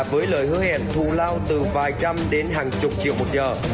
với lời hứa hẹn thù lao từ vài trăm đến hàng chục triệu một giờ